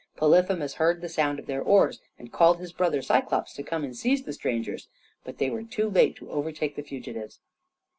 Polyphemus heard the sound of their oars, and called his brother Cyclôpes to come and seize the strangers, but they were too late to overtake the fugitives.